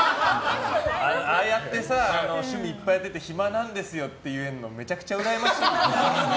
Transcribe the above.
ああやって趣味いっぱいやってて暇なんですよって言えるのめちゃくちゃうらやましいよね。